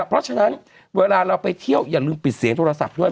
เพราะฉะนั้นเวลาเราไปเที่ยวอย่าลืมปิดเสียงโทรศัพท์ด้วย